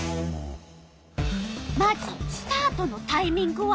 まずスタートのタイミングは？